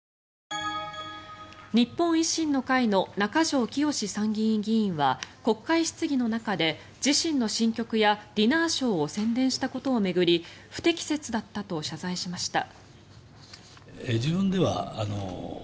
日本維新の会の中条きよし参議院議員は国会質疑の中で自身の新曲やディナーショーを宣伝したことを巡り不適切だったと謝罪しました。